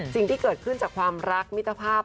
สิ่งที่เกิดขึ้นจากความรักมิตรภาพ